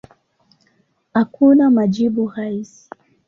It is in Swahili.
Hakuna majibu rahisi.